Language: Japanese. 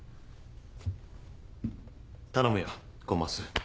頼むよコンマス。